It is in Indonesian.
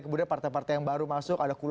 kemudian partai partai yang baru masuk ada kubur